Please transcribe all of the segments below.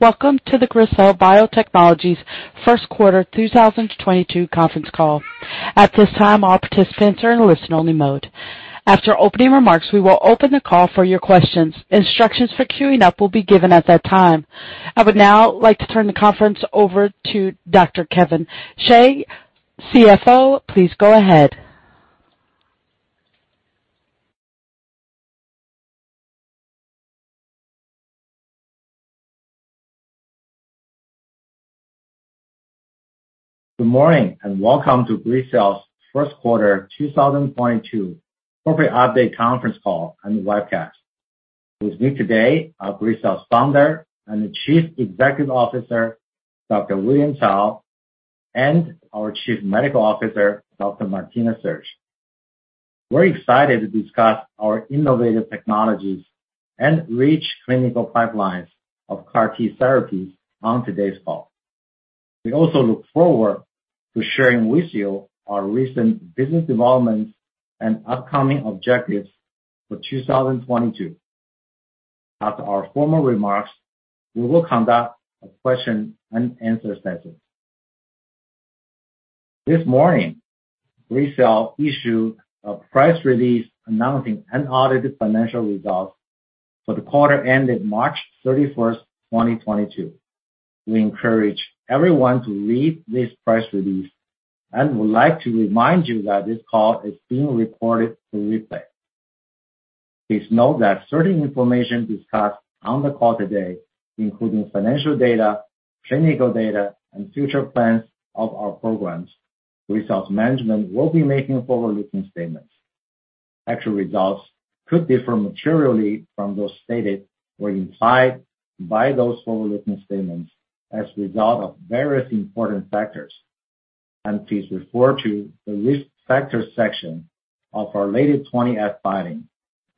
Welcome to the Gracell Biotechnologies first quarter 2022 conference call. At this time, all participants are in listen-only mode. After opening remarks, we will open the call for your questions. Instructions for queuing up will be given at that time. I would now like to turn the conference over to Dr. Kevin Xie, CFO. Please go ahead. Good morning, and welcome to Gracell's first quarter 2022 corporate update conference call and webcast. With me today are Gracell founder and the Chief Executive Officer, Dr. William Cao, and our Chief Medical Officer, Dr. Martina Sersch. We're excited to discuss our innovative technologies and rich clinical pipelines of CAR T therapy on today's call. We also look forward to sharing with you our recent business developments and upcoming objectives for 2022. After our formal remarks, we will conduct a question and answer session. This morning, Gracell issued a press release announcing unaudited financial results for the quarter ending March 31st, 2022. We encourage everyone to read this press release and would like to remind you that this call is being recorded for replay. Please note that certain information discussed on the call today, including financial data, clinical data, and future plans of our programs. Gracell's management will be making forward-looking statements. Actual results could differ materially from those stated or implied by those forward-looking statements as a result of various important factors, and please refer to the risk factors section of our latest Form 20-F filing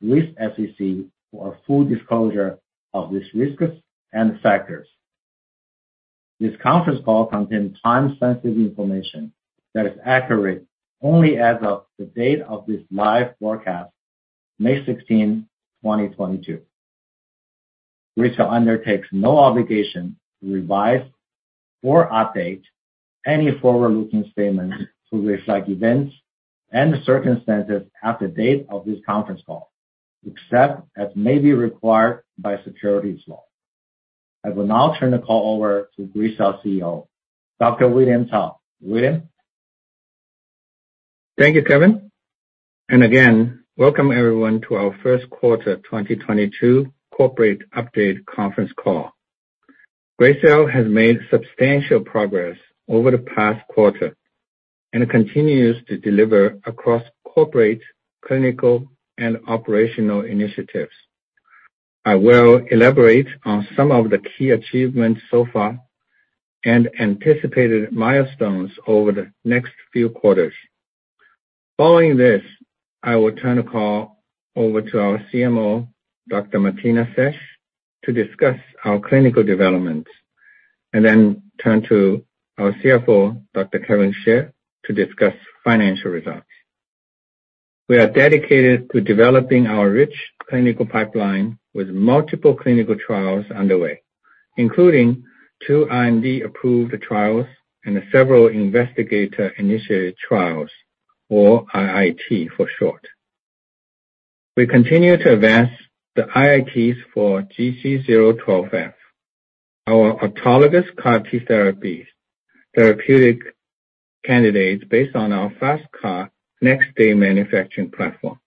with the SEC for a full disclosure of these risks and factors. This conference call contains time-sensitive information that is accurate only as of the date of this live broadcast, May 16th, 2022. Gracell undertakes no obligation to revise or update any forward-looking statements to reflect events and circumstances at the date of this conference call, except as may be required by securities law. I will now turn the call over to Gracell CEO, Dr. William Cao. William? Thank you, Kevin. Welcome everyone to our first quarter 2022 corporate update conference call. Gracell has made substantial progress over the past quarter and continues to deliver across corporate, clinical, and operational initiatives. I will elaborate on some of the key achievements so far and anticipated milestones over the next few quarters. Following this, I will turn the call over to our CMO, Dr. Martina Sersch, to discuss our clinical developments, and then turn to our CFO, Dr. Kevin Xie, to discuss financial results. We are dedicated to developing our rich clinical pipeline with multiple clinical trials underway, including two IND-approved trials and several Investigator-Initiated Trials or IIT for short. We continue to advance the IITs for GC012F, our autologous CAR-T therapeutic candidates based on our FasTCAR next-day manufacturing platform.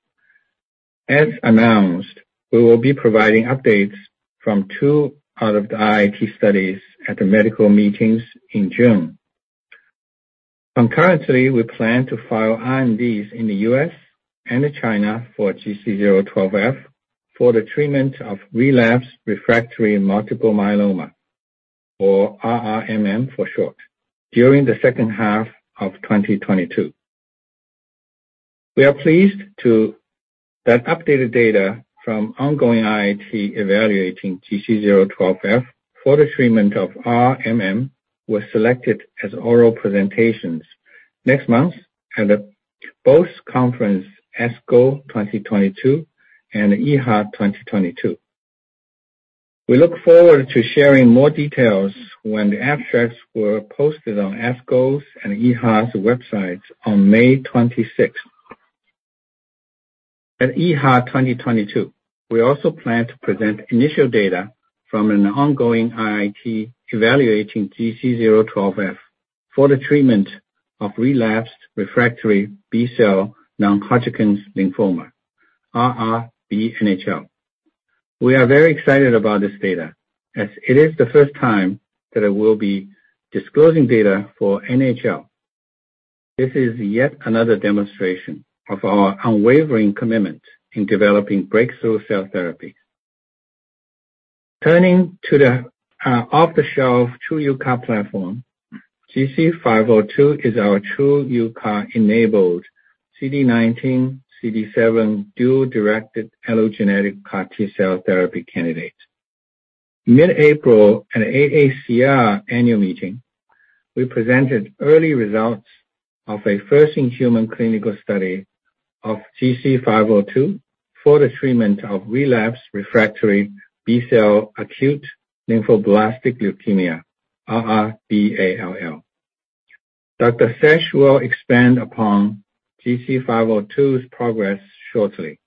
As announced, we will be providing updates from two out of the IIT studies at the medical meetings in June. Concurrently, we plan to file INDs in the U.S. and China for GC012F for the treatment of Relapsed/Refractory Multiple Myeloma or RRMM for short, during the second half of 2022. We are pleased that updated data from ongoing IIT evaluating GC012F for the treatment of RRMM was selected as oral presentations next month at both conferences ASCO 2022 and EHA 2022. We look forward to sharing more details when the abstracts were posted on ASCO's and EHA's websites on May 26th. At EHA 2022, we also plan to present initial data from an ongoing IIT evaluating GC012F for the treatment of relapsed/refractory B-cell non-Hodgkin's lymphoma, r/r B-NHL. We are very excited about this data as it is the first time that we'll be disclosing data for NHL. This is yet another demonstration of our unwavering commitment in developing breakthrough cell therapies. Turning to the off-the-shelf TruUCAR platform, GC502 is our TruUCAR-enabled CD19, CD7-dual-directed allogeneic CAR-T cell therapy candidate. Mid-April, at the AACR Annual Meeting, we presented early results of a first-in-human clinical study of GC502 for the treatment of relapsed/refractory B-cell acute lymphoblastic leukemia, r/r B-ALL. Dr. Sersch will expand upon GC502's progress shortly.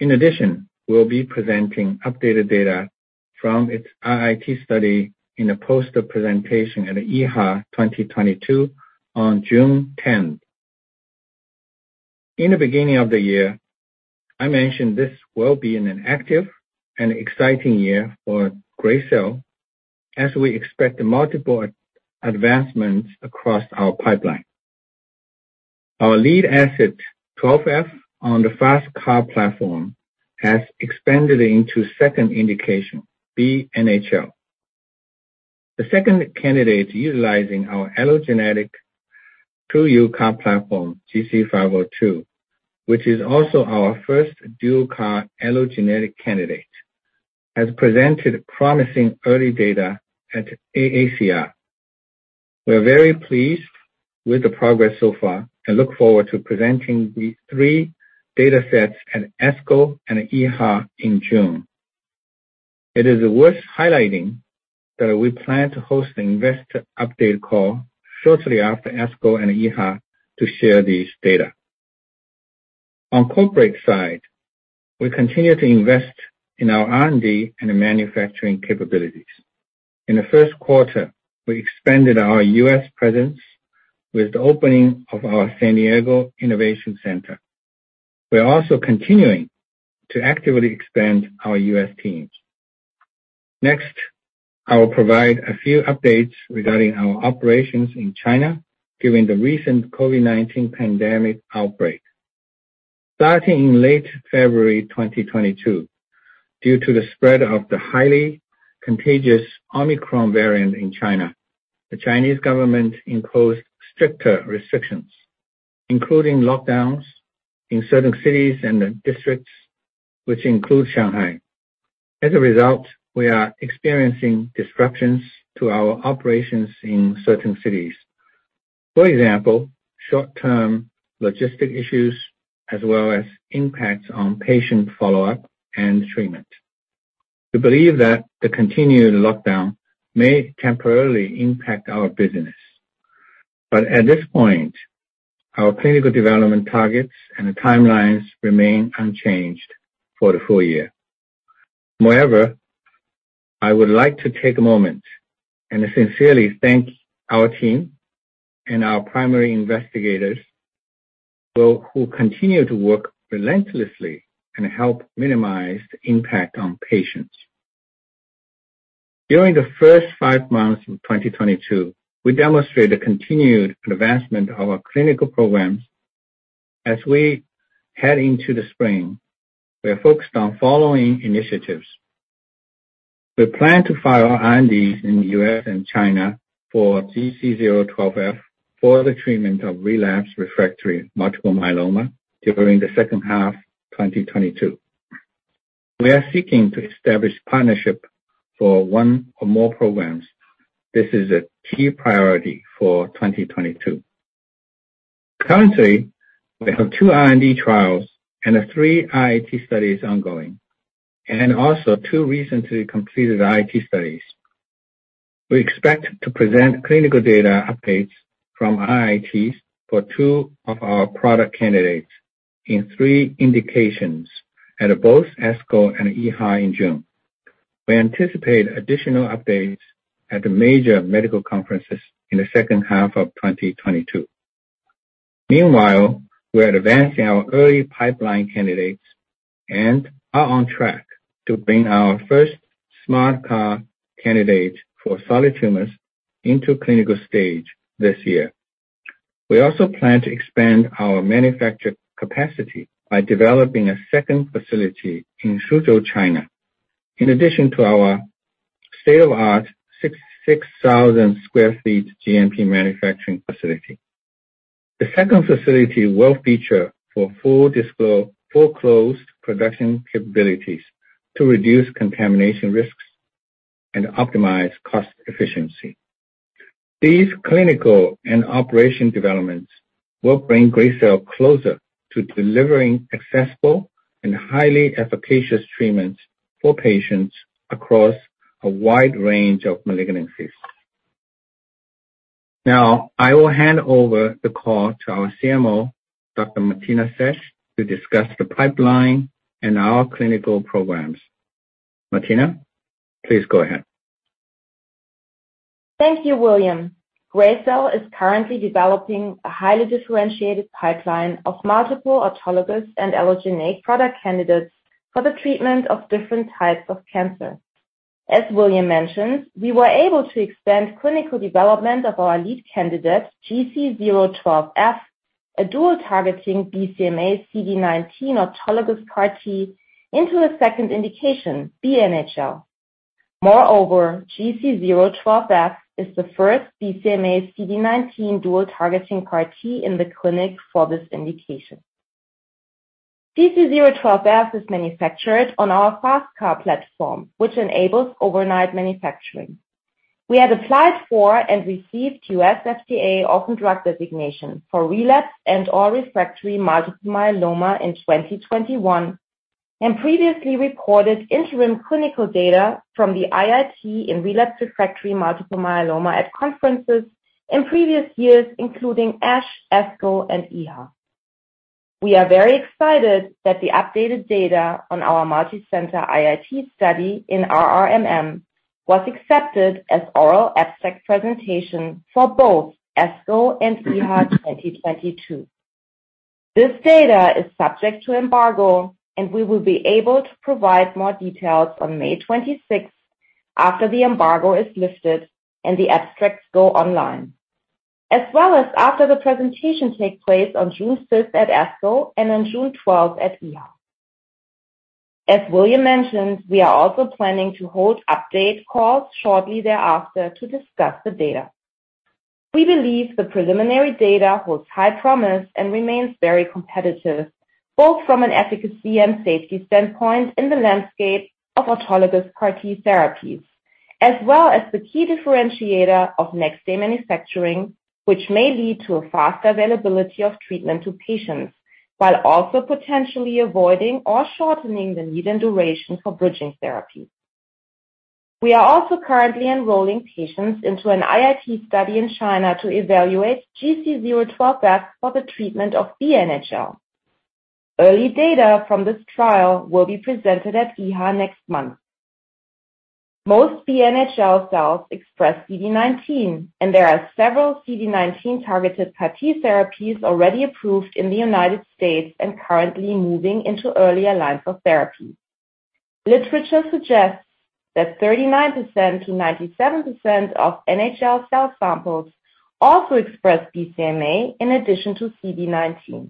In addition, we'll be presenting updated data from its IIT study in a poster presentation at EHA 2022 on June 10th. In the beginning of the year, I mentioned this will be an active and exciting year for Gracell as we expect multiple advancements across our pipeline. Our lead asset, GC012F on the FasTCAR platform, has expanded into second indication, B-NHL. The second candidate utilizing our allogeneic TruUCAR platform, GC502, which is also our first dual CAR allogeneic candidate, has presented promising early data at AACR. We are very pleased with the progress so far and look forward to presenting these three data sets at ASCO and EHA in June. It is worth highlighting that we plan to host investor update call shortly after ASCO and EHA to share this data. On corporate side, we continue to invest in our R&D and manufacturing capabilities. In the first quarter, we expanded our U.S. presence with the opening of our San Diego Innovation Center. We are also continuing to actively expand our U.S. teams. Next, I will provide a few updates regarding our operations in China during the recent COVID-19 pandemic outbreak. Starting in late February 2022, due to the spread of the highly contagious Omicron variant in China, the Chinese government imposed stricter restrictions, including lockdowns in certain cities and districts, which include Shanghai. As a result, we are experiencing disruptions to our operations in certain cities. For example, short-term logistical issues, as well as impacts on patient follow-up and treatment. We believe that the continued lockdown may temporarily impact our business. At this point, our clinical development targets and the timelines remain unchanged for the full year. Moreover, I would like to take a moment and sincerely thank our team and our primary investigators, those who continue to work relentlessly and help minimize the impact on patients. During the first five months of 2022, we demonstrated continued advancement of our clinical programs. As we head into the spring, we are focused on following initiatives. We plan to file our INDs in the U.S. and China for GC012F for the treatment of Relapsed/Refractory Multiple Myeloma during the second half of 2022. We are seeking to establish partnership for one or more programs. This is a key priority for 2022. Currently, we have two R&D trials and three IIT studies ongoing, and also two recently completed IIT studies. We expect to present clinical data updates from IITs for two of our product candidates in three indications at both ASCO and EHA in June. We anticipate additional updates at the major medical conferences in the second half of 2022. Meanwhile, we are advancing our early pipeline candidates and are on track to bring our first SMART CART candidate for solid tumors into clinical stage this year. We also plan to expand our manufacturing capacity by developing a second facility in Suzhou, China, in addition to our state-of-the-art 6,000 sq ft GMP manufacturing facility. The second facility will feature fully closed production capabilities to reduce contamination risks and optimize cost efficiency. These clinical and operational developments will bring Gracell closer to delivering accessible and highly efficacious treatments for patients across a wide range of malignancies. Now, I will hand over the call to our CMO, Dr. Martina Sersch, to discuss the pipeline and our clinical programs. Martina, please go ahead. Thank you, William. Gracell is developing a highly differentiated pipeline of multiple Autologous and Allogeneic product candidates for the treatment of different types of cancer. As William mentioned, we were able to expand clinical development of our lead candidate, GC012F, a dual targeting BCMA/CD19 autologous CAR-T into a second indication, B-NHL. Moreover, GC012F is the first BCMA/CD19 dual-targeting CAR-T in the clinic for this indication. GC012F is manufactured on our FasTCAR platform, which enables overnight manufacturing. We have applied for and received U.S. FDA orphan drug designation for Relapsed/Refractory Multiple Myeloma in 2021, and previously reported interim clinical data from the IIT in Relapsed/Refractory Multiple Myeloma at conferences in previous years, including ASH, ASCO, and EHA. We are very excited that the updated data on our multicenter IIT study in RRMM was accepted as oral abstract presentation for both ASCO and EHA 2022. This data is subject to embargo, and we will be able to provide more details on May 26th after the embargo is lifted and the abstracts go online. As well as after the presentation take place on June 5th at ASCO and on June 12th at EHA. As William mentioned, we are also planning to hold update calls shortly thereafter to discuss the data. We believe the preliminary data holds high promise and remains very competitive, both from an efficacy and safety standpoint in the landscape of autologous CAR-T therapies, as well as the key differentiator of next day manufacturing, which may lead to a faster availability of treatment to patients while also potentially avoiding or shortening the need and duration for bridging therapy. We are also currently enrolling patients into an IIT study in China to evaluate GC012F for the treatment of B-NHL. Early data from this trial will be presented at EHA next month. Most B-NHL cells express CD19, and there are several CD19-targeted CAR-T therapies already approved in the United States and currently moving into earlier lines of therapy. Literature suggests that 39%-97% of NHL cell samples also express BCMA in addition to CD19.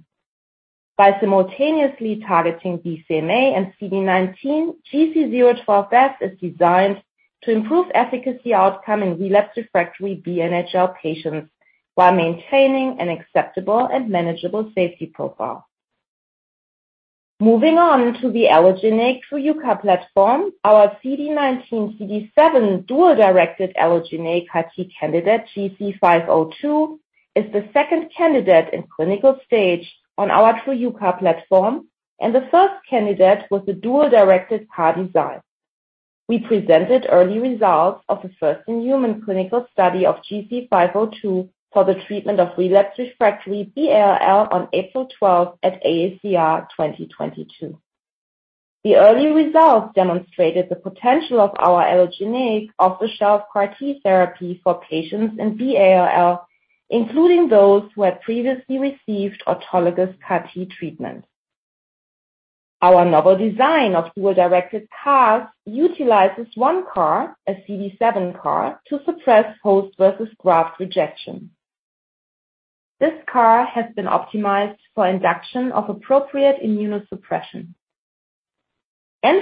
By simultaneously targeting BCMA and CD19, GC012F is designed to improve efficacy outcome in relapsed/refractory B-NHL patients while maintaining an acceptable and manageable safety profile. Moving on to the allogeneic TruUCAR platform, our CD19/CD7 dual-directed allogeneic CAR-T candidate, GC502, is the second candidate in clinical stage on our TruUCAR platform, and the first candidate was the dual-directed CAR design. We presented early results of the first-in-human clinical study of GC502 for the treatment of relapsed/refractory B-ALL on April 12 at AACR 2022. The early results demonstrated the potential of our allogeneic off-the-shelf CAR-T therapy for patients in B-ALL, including those who had previously received autologous CAR-T treatment. Our novel design of dual-directed CARs utilizes one CAR, a CD7 CAR, to suppress host versus graft rejection. This CAR has been optimized for induction of appropriate immunosuppression.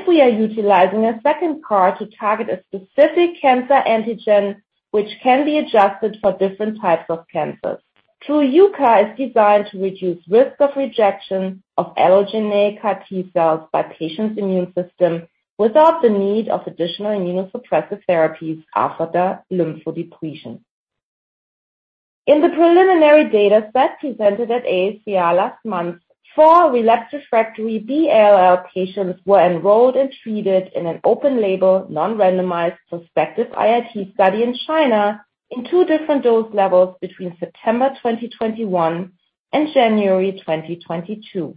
We are utilizing a second CAR to target a specific cancer antigen, which can be adjusted for different types of cancers. TruUCAR is designed to reduce risk of rejection of allogeneic CAR-T cells by patients' immune system without the need of additional immunosuppressive therapies after the lymphodepletion. In the preliminary data set presented at AACR last month, four relapsed/refractory B-ALL patients were enrolled and treated in an open-label, non-randomized prospective IIT study in China in two different dose levels between September 2021 and January 2022.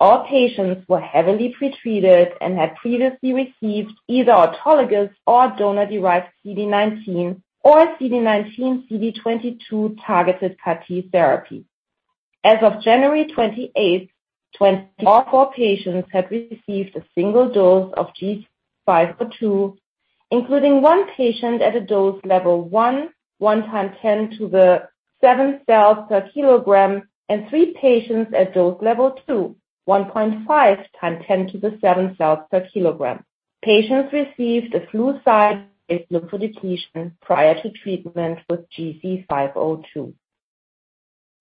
All patients were heavily pretreated and had previously received either autologous or donor-derived CD19 or CD19/CD22-targeted CAR-T therapy. As of January 28, all four patients had received a single dose of GC502, including one patient at a dose Level 1 × 10^7 cells per kilogram, and three patients at dose Level 2, 1.5 × 10^7 cells per kilogram. Patients received fludarabine with lymphodepletion prior to treatment with GC502.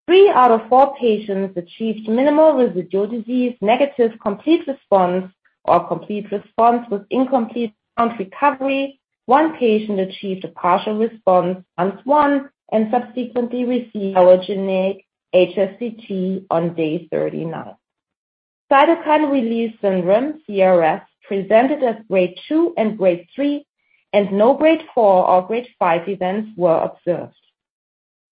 Three out of four patients achieved minimal residual disease-negative complete response, or complete response with incomplete count recovery. One patient achieved a partial response at one and subsequently received allogeneic HSCT on day 39. Cytokine release syndrome, CRS, presented as Grade 2 and Grade 3, and no Grade 4 or Grade 5 events were observed.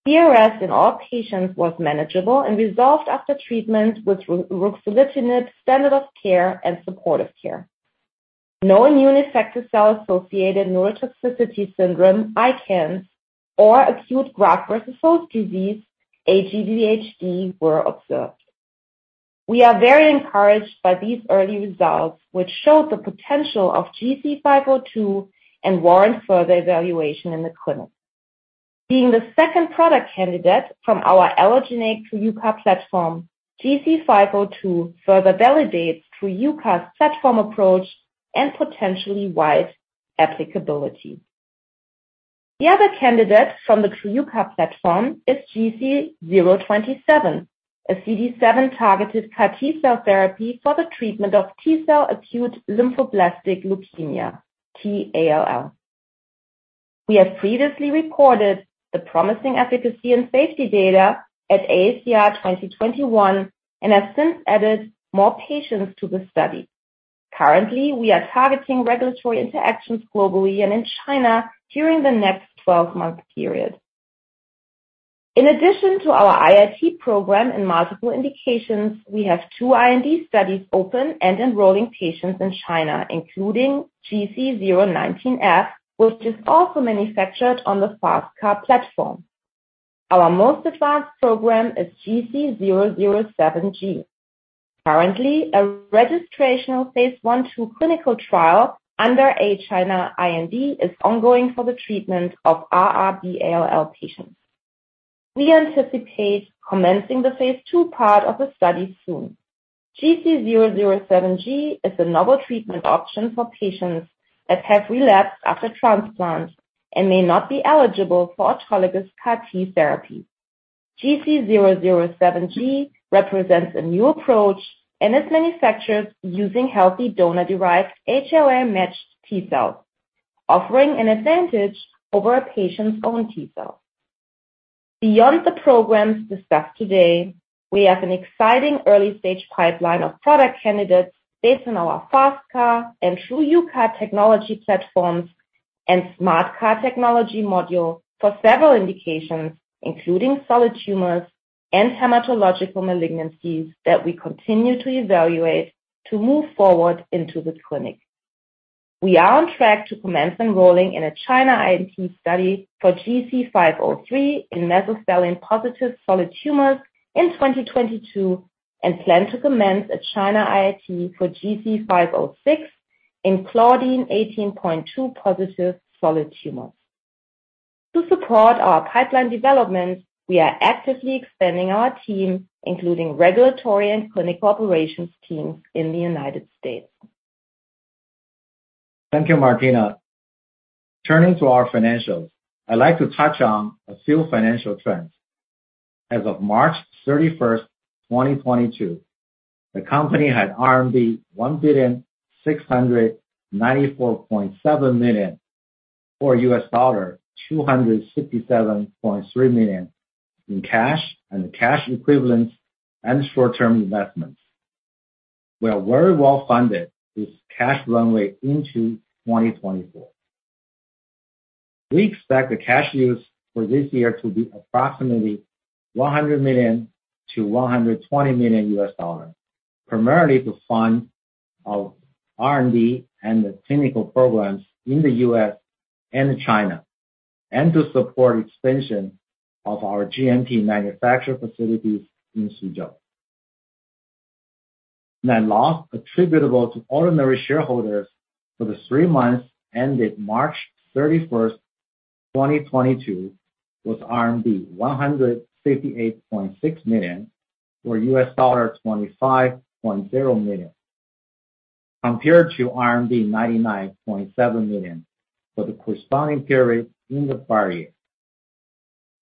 CRS in all patients was manageable and resolved after treatment with ruxolitinib standard of care and supportive care. No Immune Effector Cell-Associated Neurotoxicity Syndrome, ICANS, or acute Graft-versus-Host Disease, GvHD, were observed. We are very encouraged by these early results, which show the potential of GC502 and warrant further evaluation in the clinic. Being the second product candidate from our allogeneic TruUCAR platform, GC502 further validates TruUCAR's platform approach and potentially wide applicability. The other candidate from the TruUCAR platform is GC027, a CD7-targeted CAR-T cell therapy for the treatment of T-cell acute lymphoblastic leukemia, T-ALL. We have previously reported the promising efficacy and safety data at AACR 2021 and have since added more patients to the study. Currently, we are targeting regulatory interactions globally and in China during the next 12-month period. In addition to our IIT program in multiple indications, we have two IND studies open and enrolling patients in China, including GC019F, which is also manufactured on the FasTCAR platform. Our most advanced program is GC007G. Currently, a registrational Phase 1/ Phase 2 clinical trial under a China IND is ongoing for the treatment of r/r B-ALL patients. We anticipate commencing the Phase 2 part of the study soon. GC007G is a novel treatment option for patients that have relapsed after transplant and may not be eligible for autologous CAR - therapy. GC007G represents a new approach and is manufactured using healthy donor-derived HLA-matched T-cells, offering an advantage over a patient's own T-cell. Beyond the programs discussed today, we have an exciting early-stage pipeline of product candidates based on our FasTCAR and TruUCAR technology platforms and SMART CART technology module for several indications, including solid tumors and hematological malignancies that we continue to evaluate to move forward into the clinic. We are on track to commence enrolling in a China IND study for GC503 in mesothelin-positive solid tumors in 2022, and plan to commence a China IIT for GC506 in Claudin 18.2+ solid tumors. To support our pipeline development, we are actively expanding our team, including regulatory and clinical operations teams in the United States. Thank you, Martina. Turning to our financials, I'd like to touch on a few financial trends. As of March 31st, 2022, the company had RMB 1,694.7 million, or $267.3 million in cash and cash equivalents and short-term investments. We are very well funded with cash runway into 2024. We expect the cash use for this year to be approximately $100 million-$120 million, primarily to fund our R&D and the clinical programs in the U.S. and China, and to support expansion of our GMP manufacturing facilities in Suzhou. Net loss attributable to ordinary shareholders for the three months ended March 31st, 2022 was RMB 168.6 million, or $25.0 million, compared to RMB 99.7 million for the corresponding period in the prior year.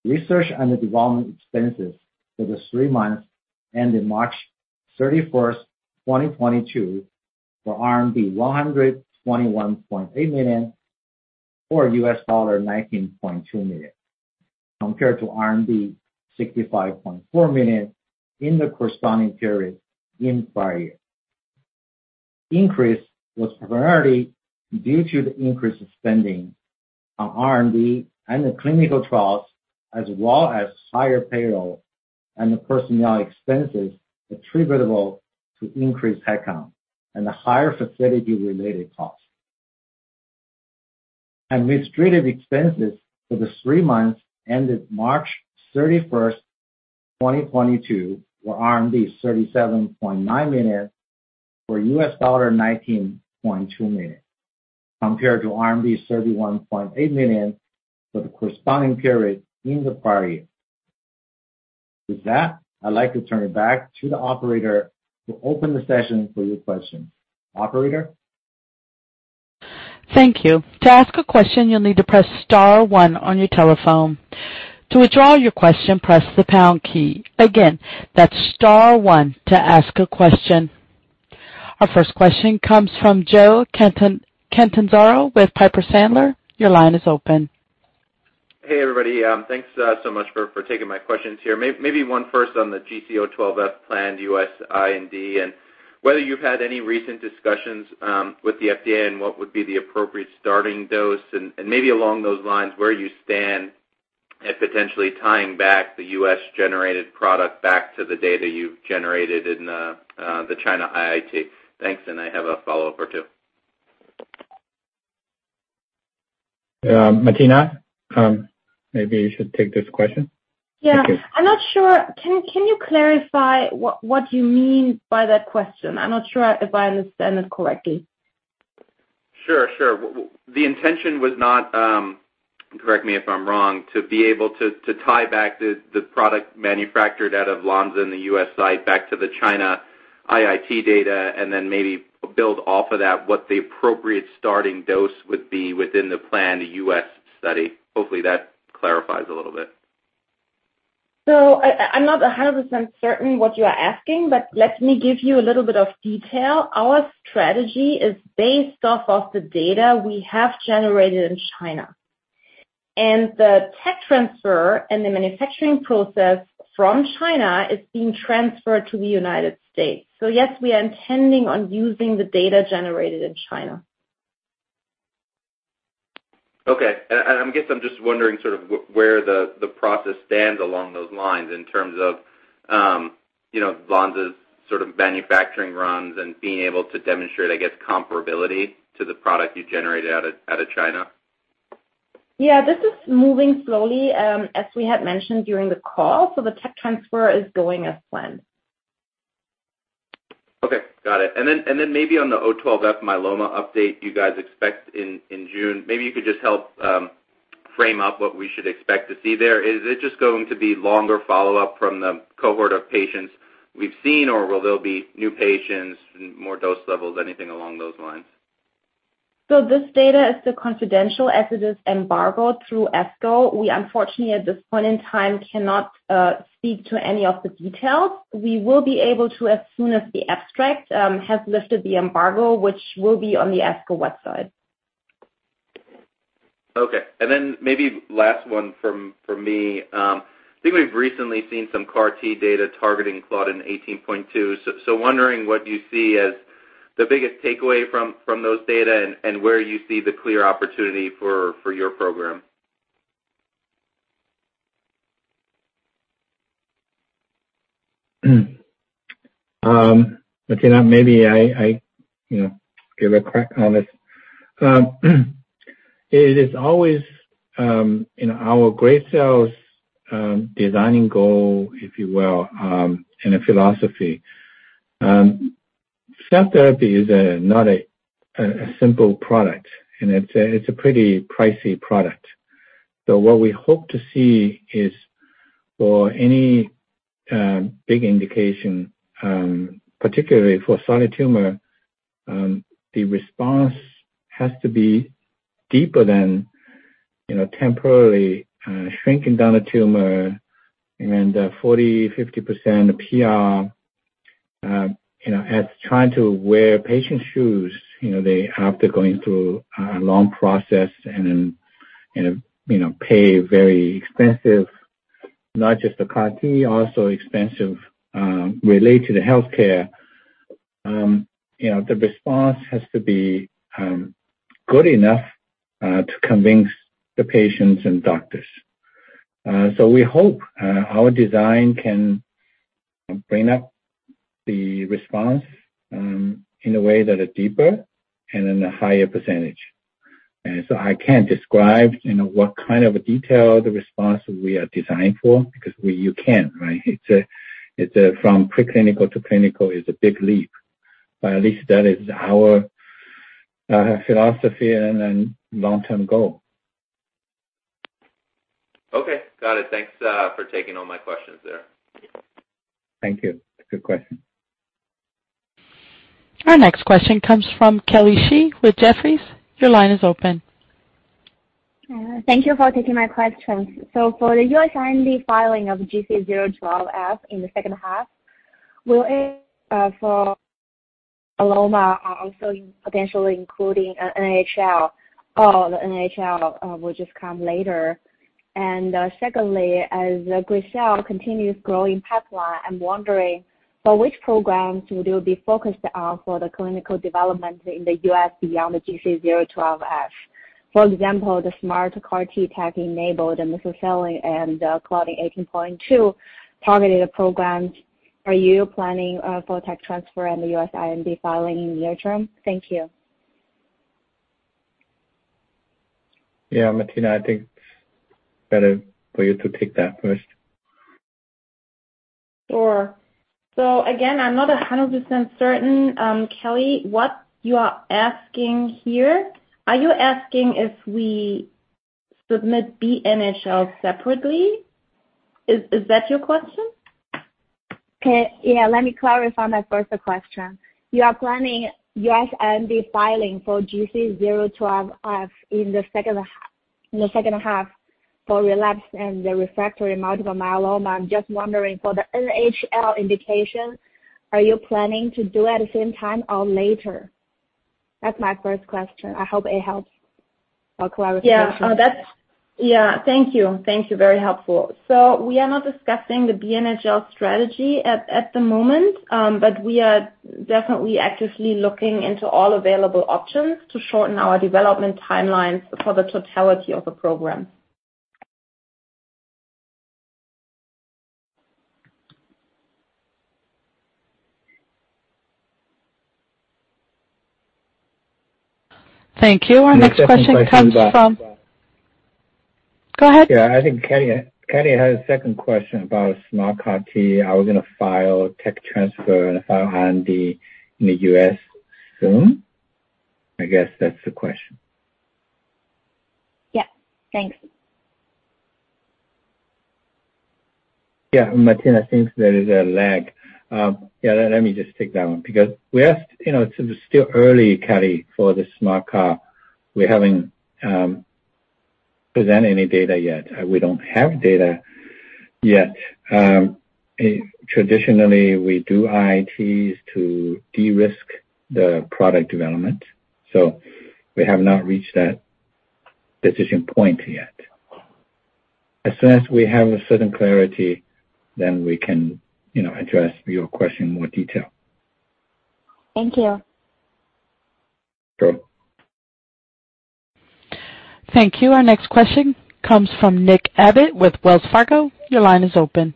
Research and development expenses for the three months ended March 31st, 2022 were RMB 121.8 million or $19.2 million, compared to RMB 65.4 million in the corresponding period in prior year. Increase was primarily due to the increase in spending on R&D and the clinical trials, as well as higher payroll and the personnel expenses attributable to increased headcount and the higher facility-related costs. Administrative expenses for the three months ended March 31st, 2022 were 37.9 million, or $19.2 million, compared to 31.8 million for the corresponding period in the prior year. With that, I'd like to turn it back to the operator to open the session for your questions. Operator? Thank you. To ask a question, you'll need to press star one on your telephone. To withdraw your question, press the pound key. Again, that's star one to ask a question. Our first question comes from Joe Catanzaro with Piper Sandler. Your line is open. Hey, everybody. Thanks so much for taking my questions here. Maybe one first on the GC012F planned U.S. IND, and whether you've had any recent discussions with the FDA and what would be the appropriate starting dose. Maybe along those lines, where you stand at potentially tying back the U.S.-generated product back to the data you've generated in the China IIT. Thanks, and I have a follow-up or two. Martina, maybe you should take this question. Yeah. I'm not sure. Can you clarify what you mean by that question? I'm not sure if I understand it correctly. Sure. The intention was not, correct me if I'm wrong, to be able to tie back the product manufactured out of Lonza in the U.S. site back to the China IIT data and then maybe build off of that what the appropriate starting dose would be within the plan, the U.S. study? Hopefully, that clarifies a little bit. I'm not 100% certain what you are asking, but let me give you a little bit of detail. Our strategy is based off of the data we have generated in China. The tech transfer and the manufacturing process from China is being transferred to the United States. Yes, we are intending on using the data generated in China. I guess I'm just wondering sort of where the process stands along those lines in terms of you know Lonza's sort of manufacturing runs and being able to demonstrate I guess comparability to the product you generated out of China. Yeah. This is moving slowly, as we had mentioned during the call. The tech transfer is going as planned. Okay, got it. Maybe on the GC012F myeloma update you guys expect in June, maybe you could just help frame up what we should expect to see there? Is it just going to be longer follow-up from the cohort of patients we've seen, or will there be new patients, more dose levels, anything along those lines? This data is still confidential as it is embargoed through ASCO. We unfortunately at this point in time cannot speak to any of the details. We will be able to as soon as the abstract has lifted the embargo, which will be on the ASCO website. Okay. Maybe last one from me. I think we've recently seen some CAR-T data targeting Claudin 18.2. Wondering what you see as the biggest takeaway from those data and where you see the clear opportunity for your program. Martina, maybe I you know give a crack on this. It is always in our gray cells designing goal, if you will, and a philosophy. Cell therapy is not a simple product, and it's a pretty pricey product. What we hope to see is for any big indication, particularly for solid tumor, the response has to be deeper than you know temporarily shrinking down a tumor and 40%, 50% PR. You know, as trying to wear patient's shoes, you know, they have to going through a long process and you know pay very expensive, not just the CAR-T, also expensive related healthcare. You know, the response has to be good enough to convince the patients and doctors. We hope our design can bring up the response in a way that is deeper and in a higher percentage. I can't describe, you know, what kind of detail the response we are designed for because you can't, right? It's a from preclinical to clinical is a big leap. At least that is our philosophy and then long-term goal. Okay. Got it. Thanks, for taking all my questions there. Thank you. Good question. Our next question comes from Kelly Shi with Jefferies. Your line is open. Thank you for taking my questions. For the U.S. IND filing of GC012F in the second half, will it for myeloma also potentially include NHL, or the NHL will just come later? Secondly, as Gracell continues growing pipeline, I'm wondering for which programs would you be focused on for the clinical development in the U.S. beyond the GC012F? For example, the SMART CART tech-enabled, the mesothelin, and the Claudin 18.2 targeted programs. Are you planning for tech transfer and the U.S. IND filing in near term? Thank you. Yeah. Martina, I think it's better for you to take that first. Sure. Again, I'm not 100% certain, Kelly, what you are asking here? Are you asking if we submit B-NHL separately? Is that your question? Okay. Yeah. Let me clarify my first question. You are planning U.S. IND filing for GC012F in the second half for Relapsed/Refractory Multiple Myeloma. I'm just wondering, for the NHL indication, are you planning to do at the same time or later? That's my first question. I hope it helps or clarifies. Yeah. No. Yeah. Thank you. Very helpful. We are not discussing the B-NHL strategy at the moment, but we are definitely actively looking into all available options to shorten our development timelines for the totality of the program. Thank you. Our next question comes from. Yeah, I think Kelly had a second question about SMART CART. Are we gonna file tech transfer and file IND in the U.S. soon? I guess that's the question. Yeah. Thanks. Yeah, Martina thinks there is a lag. Yeah, let me just take that one because we are, you know, it's still early, Kelly Shi, for the SMART CART. We haven't present any data yet. We don't have data yet. Traditionally, we do IITs to de-risk the product development. We have not reached that decision point yet. As soon as we have a certain clarity, then we can, you know, address your question in more detail. Thank you. Sure. Thank you. Our next question comes from Nick Abbott with Wells Fargo. Your line is open.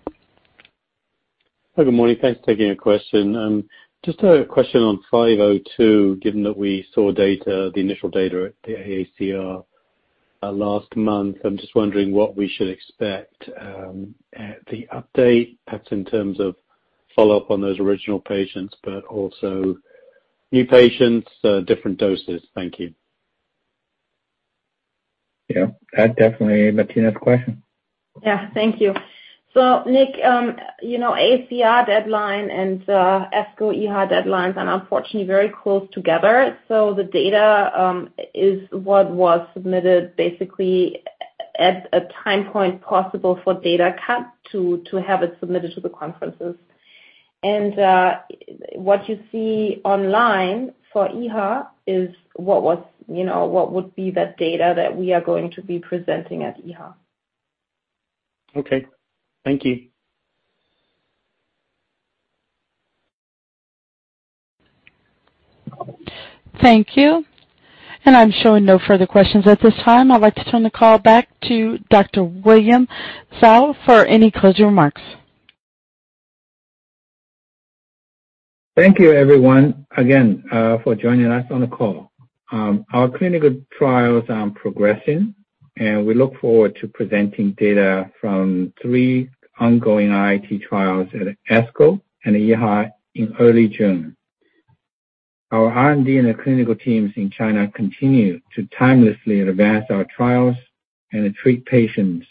Hi. Good morning. Thanks for taking a question. Just a question on GC502, given that we saw data, the initial data at the AACR last month. I'm just wondering what we should expect at the update, perhaps in terms of follow-up on those original patients, but also new patients, different doses? Thank you. Yeah, that's definitely Martina's question. Yeah, thank you. Nick, you know, AACR deadline and ASCO EHA deadlines are unfortunately very close together. The data is what was submitted basically at time point possible for data cut to have it submitted to the conferences. What you see online for EHA is what was, you know, what would be that data that we are going to be presenting at EHA. Okay. Thank you. Thank you. I'm showing no further questions at this time. I'd like to turn the call back to Dr. William Cao for any closing remarks. Thank you, everyone, again, for joining us on the call. Our clinical trials are progressing, and we look forward to presenting data from three ongoing IIT trials at ASCO and EHA in early June. Our R&D and the clinical teams in China continue to tirelessly advance our trials and to treat patients,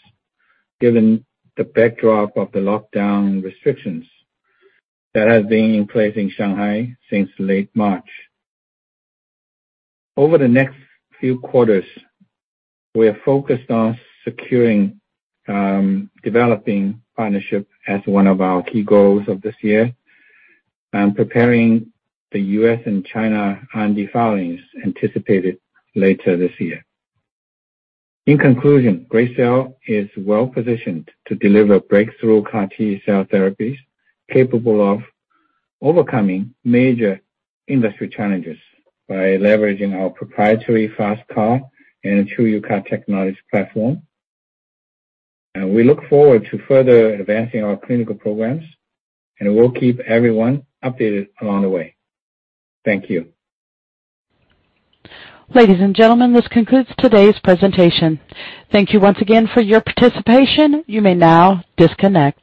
given the backdrop of the lockdown restrictions that have been in place in Shanghai since late March. Over the next few quarters, we are focused on securing and developing partnerships as one of our key goals of this year and preparing the U.S. and China R&D filings anticipated later this year. In conclusion, Gracell is well-positioned to deliver breakthrough CAR-T cell therapies capable of overcoming major industry challenges by leveraging our proprietary FasTCAR and TruUCAR technology platform. We look forward to further advancing our clinical programs, and we'll keep everyone updated along the way. Thank you. Ladies and gentlemen, this concludes today's presentation. Thank you once again for your participation. You may now disconnect.